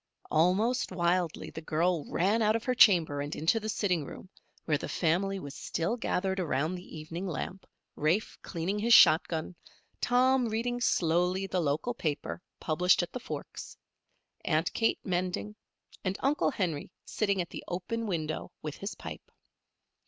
Almost wildly the girl ran out of her chamber and into the sitting room, where the family was still gathered around the evening lamp, Rafe cleaning his shot gun, Tom reading slowly the local paper, published at the Forks, Aunt Kate mending, and Uncle Henry sitting at the open window with his pipe.